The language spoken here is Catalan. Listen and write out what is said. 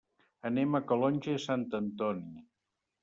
Anem a Calonge i Sant Antoni.